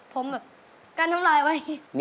ผมแบบกั้นน้ำลายไว้